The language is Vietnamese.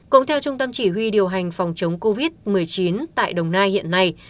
cũng theo trung tâm chỉ huy điều hành phòng chống covid một mươi chín tại đồng nai hiện nay